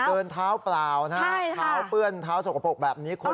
เดินเท้าเปล่านะเท้าเปื้อนเท้าสกปรกแบบนี้คุณ